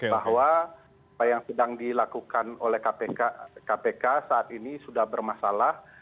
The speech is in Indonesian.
bahwa apa yang sedang dilakukan oleh kpk saat ini sudah bermasalah